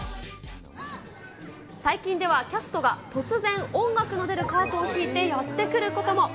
最近ではキャストが突然、音楽の出るカートを引いてやってくることも。